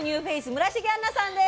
村重杏奈さんです。